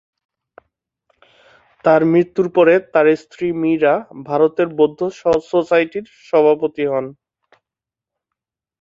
তাঁর মৃত্যুর পরে তাঁর স্ত্রী মীরা ভারতের বৌদ্ধ সোসাইটির সভাপতি হন।